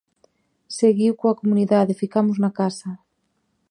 Seguiu coa comunidade "Ficamos na casa".